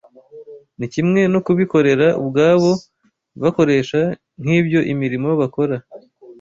Ni kimwe no ku bikorera ubwabo bakoresha nk’ibyo imirimo bakora